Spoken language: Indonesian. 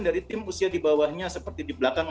dari tim usia di bawahnya seperti di belakang